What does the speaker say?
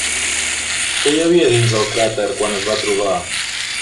Què hi havia dins el crater quan es va trobar?